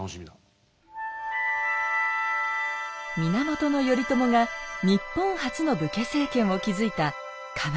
源頼朝が日本初の武家政権を築いた鎌倉。